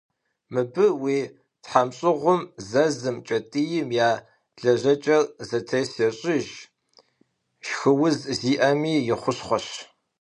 Мыбы уи тхьэмщӏыгъум, зэзым, кӏэтӏийм я лэжьэкӏэр зэтес ещӏыж, шхыуз зиӏэми и хущхъуэщ.